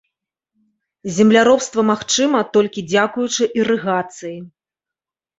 Земляробства магчыма толькі дзякуючы ірыгацыі.